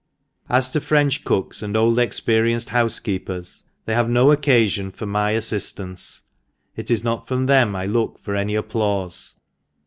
As to French cooks and old experienced hour6<»keeper$^ they have nd cccafion for my afliftance^ it is not from them I look for any applaufe.